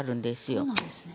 あっそうなんですね。